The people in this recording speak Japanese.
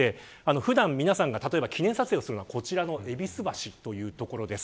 普段皆さんが記念撮影するするのはこちらの戎橋です。